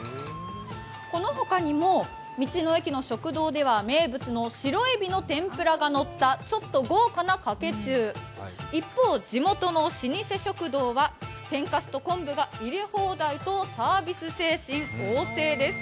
この他にも道の駅の食堂では名物の白エビの天ぷらがのったちょっと豪華なかけ中一方、地元の老舗食堂は天かすと昆布が入れ放題とサービス精神旺盛です。